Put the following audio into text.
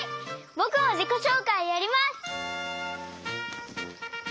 ぼくもじこしょうかいやります！